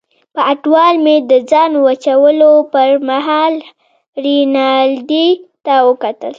په اټوال مې د ځان وچولو پرمهال رینالډي ته وکتل.